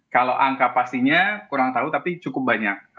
kalau angka pastinya kurang tahu tapi cukup banyak